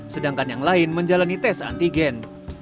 sedangkan yang lain menjalani tes antigen